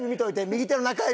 右手の中指。